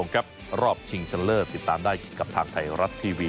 ขอบคุณให้กำลังใจ